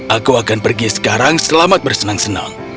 aku akan pergi sekarang selamat bersenang senang